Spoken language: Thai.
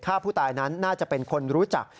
ผู้ตายนั้นน่าจะเป็นคนรู้จัก